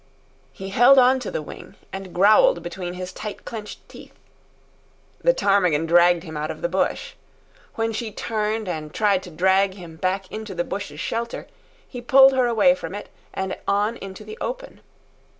He held on to the wing and growled between his tight clenched teeth. The ptarmigan dragged him out of the bush. When she turned and tried to drag him back into the bush's shelter, he pulled her away from it and on into the open.